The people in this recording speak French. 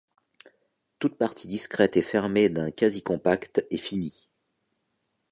Toute partie discrète et fermée d'un quasi-compact est finie.